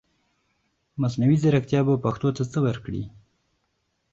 مصنوعي ځرکتيا به پښتو ته سه ورکړٸ